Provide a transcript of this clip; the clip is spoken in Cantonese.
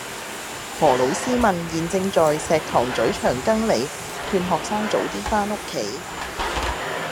何老師問現正在石塘咀長庚里勸學生早啲返屋企